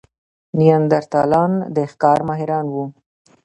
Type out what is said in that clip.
نیاندرتالان د ښکار ماهران وو.